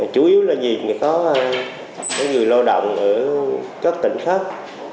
chủ yếu là gì có người lao động ở các tỉnh khác